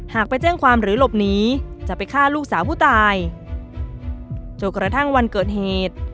ไปแจ้งความหรือหลบหนีจะไปฆ่าลูกสาวผู้ตายจนกระทั่งวันเกิดเหตุ